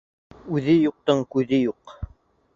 Үҙе юҡтың күҙе юҡ.